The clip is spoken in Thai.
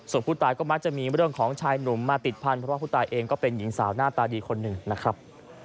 ส่วนผู้ตายก็มักจะมีเรื่องของชายหนุ่มมาติดพันธุ์เพราะผู้ตายเองก็เป็นหญิงสาวหน้าตาดีคนหนึ่งนะครับ